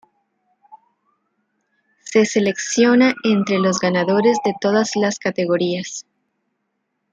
Se selecciona entre los ganadores de todas las categorías.